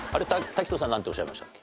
滝藤さんなんておっしゃいましたっけ？